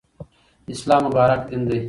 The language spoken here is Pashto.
اسلام مبارک دین دی.